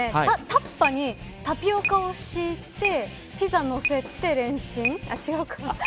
タッパーにタピオカを敷いてピザ乗せてレンチン。